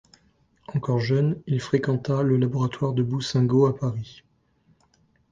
Encore jeune, il fréquenta le laboratoire de Boussingault à Paris.